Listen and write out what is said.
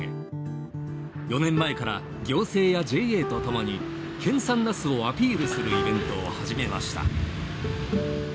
４年前から行政やＪＡと共に県産ナスをアピールするイベントを始めました。